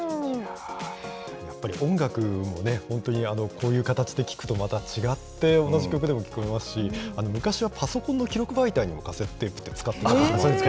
やっぱり音楽も本当にこういう形で聴くと、また違って同じ曲でも聴こえますし、昔はパソコンの記録媒体にもカセットテープって使っていたんですよ。